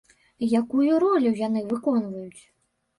Якую ролю яны выконваюць?